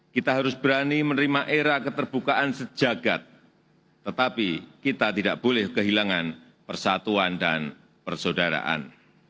kita harus berani menerima era keterbukaan sejagat tetapi kita tidak boleh kehilangan persatuan dan persaudaraan